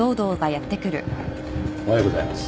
おはようございます。